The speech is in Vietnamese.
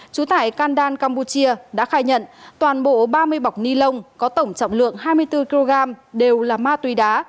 trú tại kandan campuchia đã khai nhận toàn bộ ba mươi bọc ni lông có tổng trọng lượng hai mươi bốn kg đều là ma túy đá